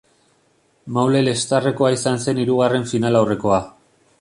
Maule-Lextarrekoa izan zen hirugarren finalaurrekoa.